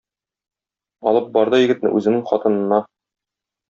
Алып барды егетне үзенең хатынына.